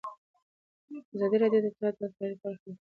ازادي راډیو د اطلاعاتی تکنالوژي په اړه د هر اړخیزو مسایلو پوښښ کړی.